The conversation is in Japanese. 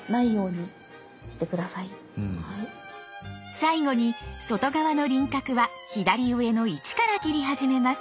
最後に外側の輪郭は左上の１から切り始めます。